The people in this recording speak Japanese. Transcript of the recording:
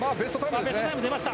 ベストタイムが出ました。